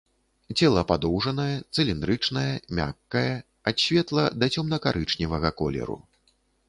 Цела падоўжанае, цыліндрычнае, мяккае, ад светла- да цёмна-карычневага колеру.